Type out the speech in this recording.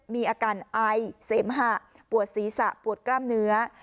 มีอาการไอเสมหะปวดศีรษะปวดกล้ามเนื้อ